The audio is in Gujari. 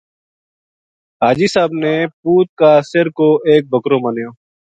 حاجی صاحب نے پُوت کا سر کو ایک بکرو مَنیو